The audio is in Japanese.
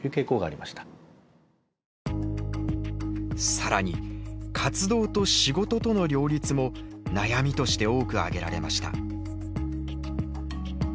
更に「活動と仕事との両立」も悩みとして多く挙げられました。